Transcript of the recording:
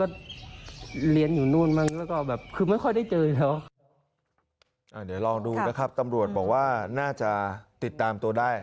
เดี๋ยวลองดูนะครับตำรวจบอกว่าน่าจะติดตามตัวได้